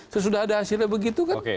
sesudah ada hasilnya begitu kan